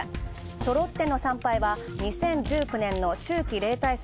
そろっての参拝は２０１９年の秋季例大祭